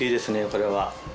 これは。